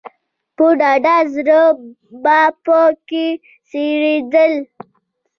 په ډاډه زړه به په کې څرېدل.